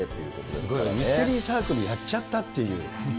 すごいミステリーサークルやっちゃったっていう。